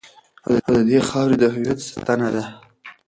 او د دې خاورې د هویت ستنه ده.